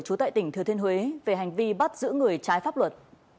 trú tại tỉnh thừa thiên huế về hành vi bắt giữ người trái pháp luật